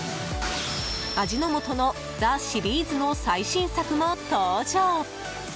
味の素のザ☆シリーズの最新作も登場。